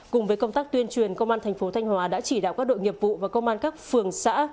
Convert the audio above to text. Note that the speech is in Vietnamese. cùng với công tác tuyên truyền công an thành phố thanh hóa đã chỉ đạo các đội nghiệp vụ và công an các phường xã